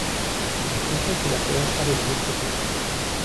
La tristesse et la peur alourdirent ses paupières.